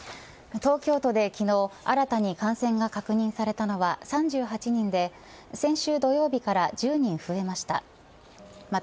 東京都で昨日新たに感染が確認されたのは３８人で、先週土曜日から１０人増えました。